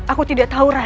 aku tidak tahu raya